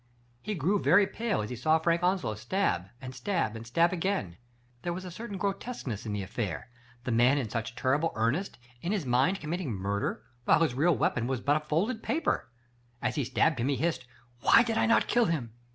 He grew very pale as he saw Frank Onslow stab, and stab, and stab again. There was a certain grotesqueness in the affair— the man in such terrible earnest, in his mind com mitting murder, while his real weapon was but a folded paper. As he stabbed he hissed, Why did I not kill him?